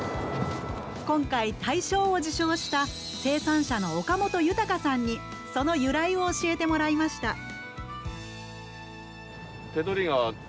今回大賞を受賞した生産者の岡元豊さんにその由来を教えてもらいました。